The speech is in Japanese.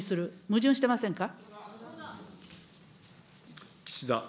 矛盾してませんか。